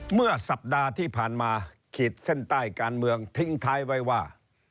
เมื่อสัปดาห์ที่ผ่านมาขีดเส้นใต้การเมืองทิ้งท้ายไว้ว่า